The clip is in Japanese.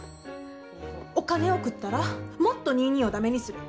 お金送ったら、もっとニーニーを駄目にする。